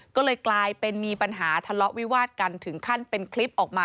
ก็เลยกลายเป็นมีปัญหาทะเลาะวิวาดกันถึงขั้นเป็นคลิปออกมา